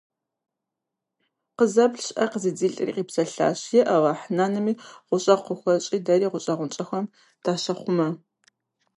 Къызэплъщ, Ӏэ къыздилъэри, къипсэлъащ: - Я Алыхь, нанэми гущӀэгъу къыхуэщӀи, дэри гущӀэгъуншэхэм дащыхъумэ…